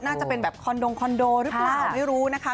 น่าจะเป็นแบบคอนโดงคอนโดหรือเปล่าไม่รู้นะคะ